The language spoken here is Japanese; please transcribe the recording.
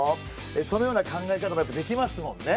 そのような考え方がやっぱできますもんね。